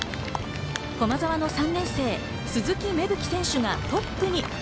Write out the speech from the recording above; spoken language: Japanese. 駒澤３年生・鈴木芽吹選手がトップに。